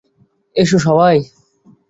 এসো, সবাই।